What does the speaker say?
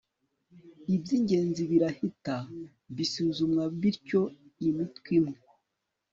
Ibyingenzi birahita bisuzumwa bityo imitwe imwe